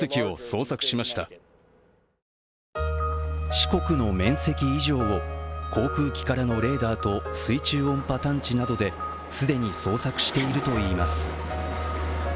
四国の面積以上を、航空機からのレーダーと水中音波探知などで既に捜索しているといいます。